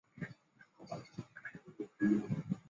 叙述亚瑟的少年时期和魔法师梅林帮助他的过程。